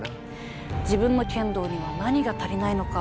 自分の剣道には何が足りないのか。